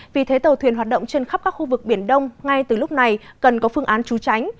vì thế tàu thuyền hoạt động trên khắp các khu vực biển đông ngay từ lúc này cần có phương án trú tránh